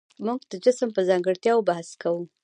موږ د جسم په ځانګړتیاوو بحث کوو.